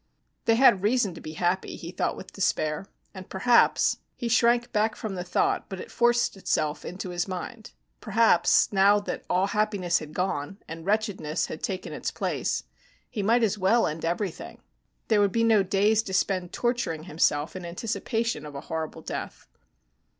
They had reason to be happy, he thought with despair. And perhaps he shrank back from the thought, but it forced itself into his mind perhaps, now that all happiness had gone, and wretchedness had taken its place, he might as well end everything. There would be no days to spend torturing himself in anticipation of a horrible death.